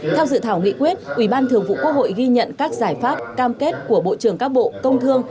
theo dự thảo nghị quyết ủy ban thường vụ quốc hội ghi nhận các giải pháp cam kết của bộ trưởng các bộ công thương